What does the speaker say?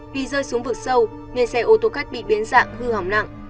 vì rơi xuống vực sâu nên xe ô tô khách bị biến dạng hư hỏng nặng